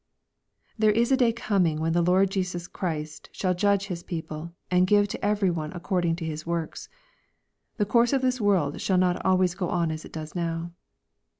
There is a day coming when the Lord Jesus Christ shall judge His people, and give to every one accord ing to His works. The course of this world shall not always go on as it does now.